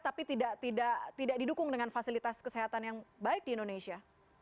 tapi tidak didukung dengan fasilitas kesehatan yang baik di indonesia